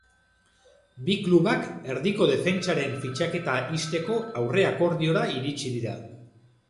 Bi klubak erdiko defentsaren fitxaketa ixteko aurre-akordiora iritsi dira.